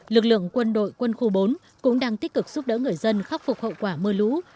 lực lượng quân đội quân khu bốn cũng đang tích cực giúp đỡ người dân khắc phục hậu quả mưa lũ